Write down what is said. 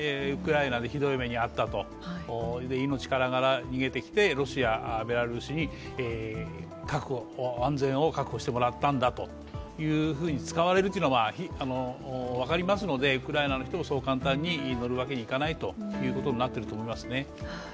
ウクライナでひどい目に遭った、命からがら逃げてきてロシア、ベラルーシに安全を確保してもらったんだというふうに使われるというのは分かりますので、ウクライナの人もそう簡単に乗るわけにいかないとうことになっていると思います。